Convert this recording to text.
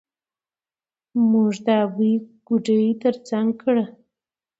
موږ د ابۍ ګودى تر څنګ کړه.